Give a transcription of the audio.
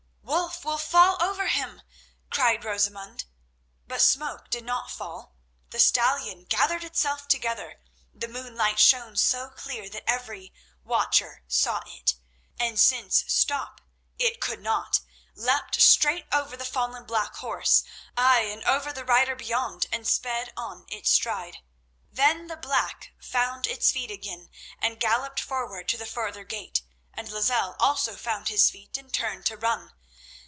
"Wulf will fall over him!" cried Rosamund. But Smoke did not fall; the stallion gathered itself together—the moonlight shone so clear that every watcher saw it—and since stop it could not, leapt straight over the fallen black horse—ay, and over the rider beyond—and sped on in its stride. Then the black found its feet again and galloped forward to the further gate, and Lozelle also found his feet and turned to run.